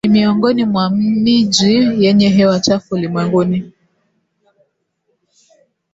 ni miongoni mwa miji yenye hewa chafu ulimwenguni